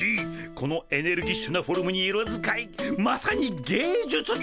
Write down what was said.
このエネルギッシュなフォルムに色使いまさに芸術だ！